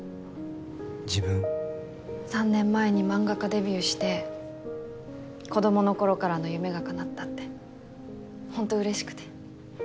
３年前に漫画家デビューして子供の頃からの夢がかなったって本当嬉しくて。